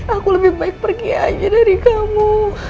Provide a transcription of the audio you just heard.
aku lebih baik pergi aja dari kamu